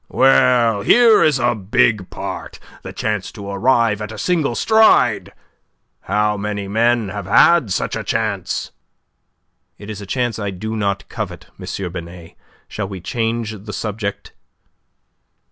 "Well, here is a big part the chance to arrive at a single stride. How many men have had such a chance?" "It is a chance I do not covet, M. Binet. Shall we change the subject?"